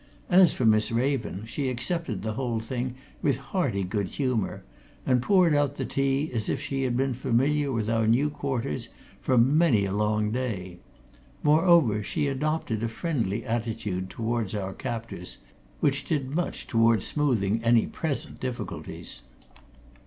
As for Miss Raven, she accepted the whole thing with hearty good humour and poured out the tea as if she had been familiar with our new quarters for many a long day; moreover, she adopted a friendly attitude towards our captors which did much towards smoothing any present difficulties.